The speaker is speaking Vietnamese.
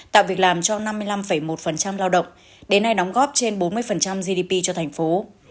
tạo việc làm cho năm mươi năm một lao động đến nay đóng góp trên bốn mươi gdp cho thành phố